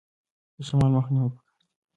د شمال مخه نیول پکار دي؟